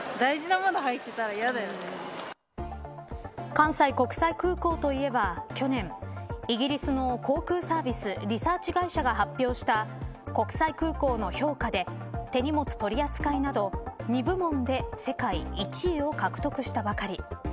関西国際空港といえば、去年イギリスの航空サービスリサーチ会社が発表した国際空港の評価で手荷物取り扱いなど２部門で世界１位を獲得したばかり。